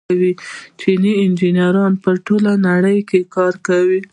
چیني انجنیران په ټوله نړۍ کې کار کوي.